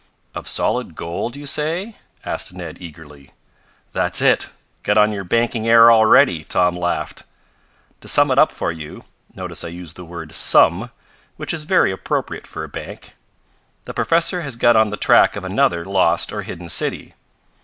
"Of solid gold you say?" asked Ned eagerly. "That's it. Got on your banking air already," Tom laughed. "To sum it up for you notice I use the word 'sum,' which is very appropriate for a bank the professor has got on the track of another lost or hidden city.